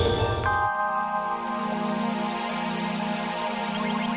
jangan pak landung